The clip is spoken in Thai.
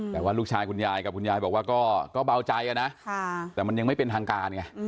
แต่ว่าลูกชายคุณยายกับคุณยายบอกว่าก็เบาใจนะแต่มันยังไม่เป็นทางการไง